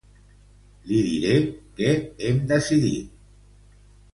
Li diré què hem decidit.